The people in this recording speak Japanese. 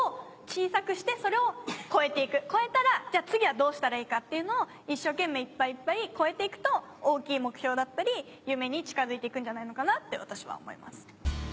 越えたら次はどうしたらいいかっていうのを一生懸命いっぱいいっぱい越えていくと大きい目標だったり夢に近づいていくんじゃないのかなって私は思います。